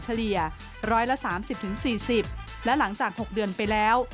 เฉลี่ย๑๓๐๔๐และหลังจาก๖เดือนไปแล้ว